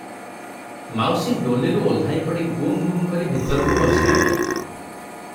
ମାଉସୀ ଡୋଲିରୁ ଓହ୍ଲାଇ ପଡ଼ି ଗୁମ୍ ଗୁମ୍ କରି ଭିତରକୁ ପଶିଗଲେ ।